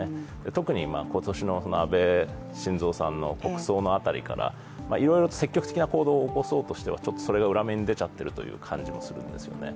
特に、今年の安倍晋三さんの国葬の辺りからいろいろ積極的な行動を起こそうとして、それが裏目に出ちゃっているという感じもすると思うんですよね。